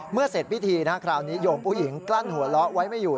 เสร็จพิธีคราวนี้โยมผู้หญิงกลั้นหัวเราะไว้ไม่อยู่